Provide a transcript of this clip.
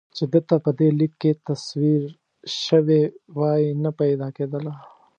چې ده ته په دې لیک کې تصویر شوې وای نه پیدا کېدله.